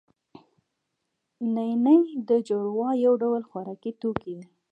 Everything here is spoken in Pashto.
نینې د جوارو یو ډول خوراکي توکی دی